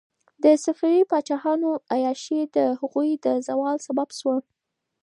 د صفوي پاچاهانو عیاشي د هغوی د زوال سبب شوه.